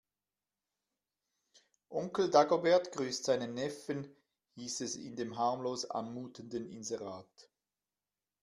Onkel Dagobert grüßt seinen Neffen, hieß es in dem harmlos anmutenden Inserat.